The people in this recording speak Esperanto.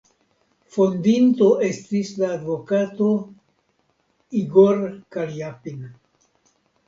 Fondinto estis la advokato "Igor Kaljapin".